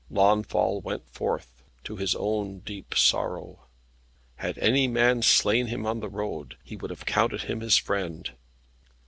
Launfal went forth, to his own deep sorrow. Had any man slain him on the road, he would have counted him his friend.